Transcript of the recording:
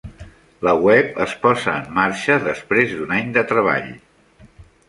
La web es posa en marxa després d'un any de treball